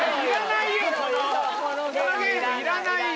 いらないよ